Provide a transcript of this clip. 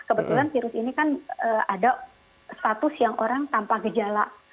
kebetulan virus ini kan ada status yang orang tanpa gejala